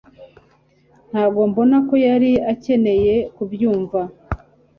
Ntabwo mbona ko yari akeneye kubyumva